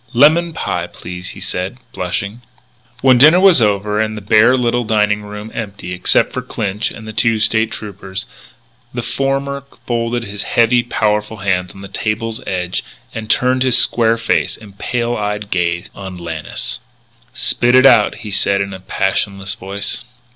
"Lemon pie, please," he said, blushing. When dinner was over and the bare little dining room empty except for Clinch and the two State Troopers, the former folded his heavy, powerful hands on the table's edge and turned his square face and pale eyed gaze on Lannis. "Spit it out," he said in a passionless voice.